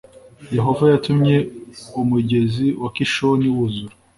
Yehova yatumye umugezi wa Kishoni wuzura